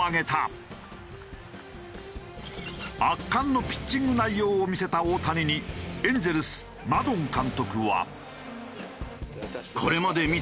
圧巻のピッチング内容を見せた大谷にエンゼルスマドン監督は。